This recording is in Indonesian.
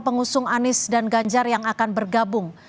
pengusung anies dan ganjar yang akan bergabung